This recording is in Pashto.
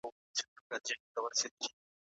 غړو به د کانونو د استخراج قراردادونه څېړلي وي.